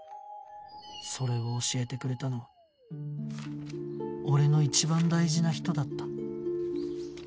それを教えてくれたのは俺の一番大事な人だった